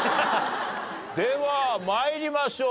では参りましょう。